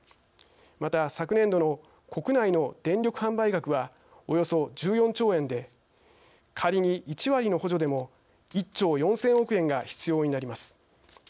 また昨年度の国内の電力販売額はおよそ１４兆円で仮に１割の補助でも１兆４千億円が必要になります。